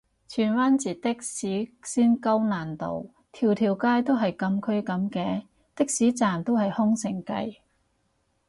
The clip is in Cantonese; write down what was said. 荃灣截的士先高難度，條條街都係禁區噉嘅？的士站都係空城計